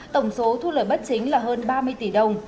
tổng số thu lời bất chính là hơn ba mươi tỷ đồng